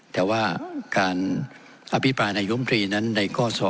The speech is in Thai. แต่ว่าการอภิปรายนายมตรีนั้นในข้อ๒